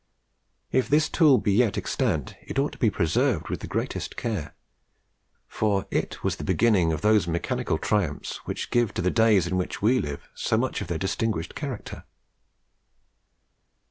If this tool be yet extant, it ought to be preserved with the greatest care, for it was the beginning of those mechanical triumphs which give to the days in which we live so much of their distinguishing character."